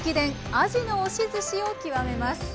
「あじの押しずし」を極めます。